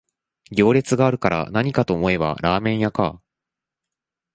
行列があるからなにかと思えばラーメン屋か